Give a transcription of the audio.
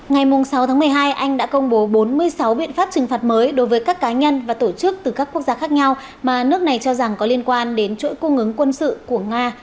ngày sáu tháng một mươi hai anh đã công bố bốn mươi sáu biện pháp trừng phạt mới đối với các cá nhân và tổ chức từ các quốc gia khác nhau mà nước này cho rằng có liên quan đến chuỗi cung ứng quân sự của nga